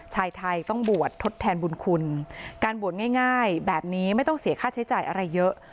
ชายไทยต้องบวชทดแทนบุญคุณการบวชง่ายแบบนี้ไม่ต้องเสียค่าใช้จ่ายอะไรเยอะ